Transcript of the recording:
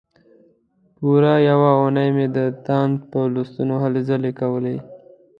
پوره یوه اونۍ مې د تاند په لوستلو هلې ځلې کولې.